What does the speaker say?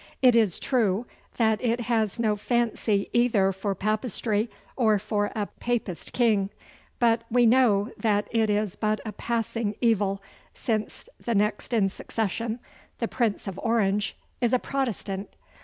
'It is true that it has no fancy either for Papistry or for a Papist King, but we know that it is but a passing evil, since the next in succession, the Prince of Orange, is a Protestant.